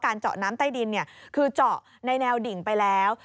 เจาะน้ำใต้ดินคือเจาะในแนวดิ่งไปแล้ว